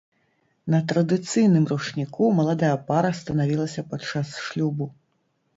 На традыцыйным ручніку маладая пара станавілася падчас шлюбу.